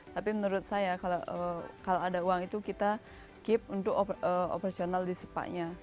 tapi menurut saya kalau ada uang itu kita keep untuk operasional di spa nya